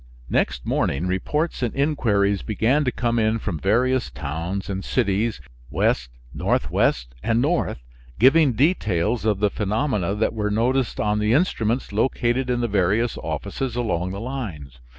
Next morning reports and inquiries began to come in from various towns and cities west, northwest and north, giving details of the phenomena that were noticed on the instruments located in the various offices along the lines.